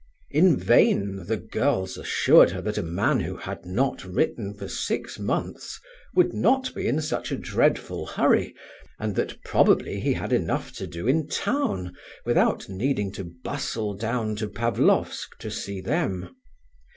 In vain the girls assured her that a man who had not written for six months would not be in such a dreadful hurry, and that probably he had enough to do in town without needing to bustle down to Pavlofsk to see them.